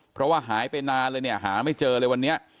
เพราะว่าหายไปนานเลยเนี่ยหาไม่เจอเลยวันนี้